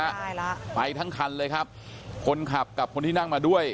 ใช่แล้วไปทั้งคันเลยครับคนขับกับคนที่นั่งมาด้วย